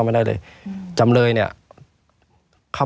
ไม่มีครับไม่มีครับ